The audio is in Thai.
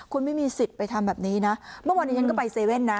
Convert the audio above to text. คุณไม่มีสิทธิ์ไปทำแบบนี้นะเมื่อวานนี้ฉันก็ไปเซเว่นนะ